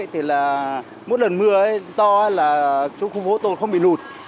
thì là một lần mưa to là khu vũ tôi không bị lụt